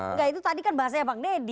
enggak itu tadi kan bahasanya bang deddy